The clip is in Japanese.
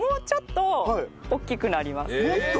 もっと？